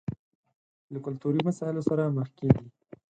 له کلتوري مسايلو سره مخ کېږي.